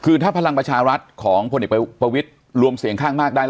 คือถ้าพลังประชารัฐของพลเอกประวิทย์รวมเสียงข้างมากได้